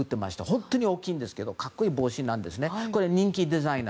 本当に大きいんですけど格好いい帽子なんですね。